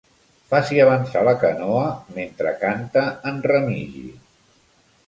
Faci avançar la canoa mentre canta en Remigi.